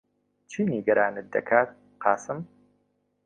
چی نیگەرانت دەکات، قاسم؟